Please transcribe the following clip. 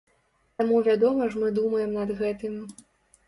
Таму вядома ж мы думаем над гэтым.